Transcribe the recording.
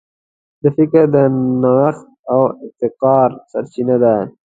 فکر د نوښت او ابتکار سرچینه ده.